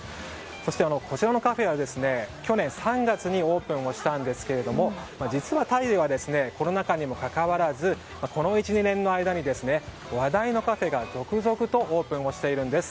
そして、こちらのカフェは去年３月にオープンしたんですが実はタイではコロナ禍にもかかわらずこの１２年の間に話題のカフェが続々とオープンしているんです。